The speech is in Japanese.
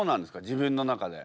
自分の中で。